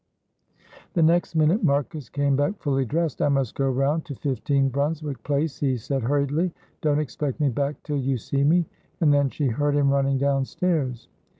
The next minute Marcus came back fully dressed. "I must go round to 15, Brunswick Place," he said, hurriedly. "Don't expect me back till you see me," and then she heard him running downstairs.